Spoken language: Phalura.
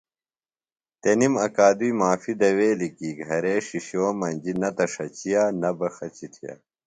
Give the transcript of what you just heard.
تنِم اکادُئی معافیۡ دویلیۡ کی گھرے شِشو مجیۡ نہ تہ ݜچِیہ نہ بہ خچیۡ تِھیہ۔